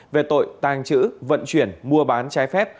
về tội tàng trữ vận chuyển mua bán trái phép